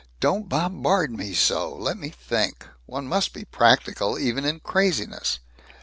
"Don't bombard me so! Let me think. One must be practical, even in craziness."